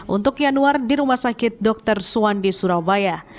untuk yanuar di rumah sakit dr suwandi surabaya